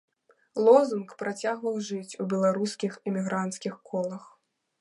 Лозунг працягваў жыць у беларускіх эмігранцкіх колах.